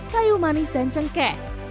kayu manis dan cengkeh